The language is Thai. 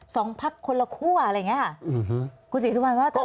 สองภัคดิ์คนละครัวอะไรอย่างนี้ค่ะ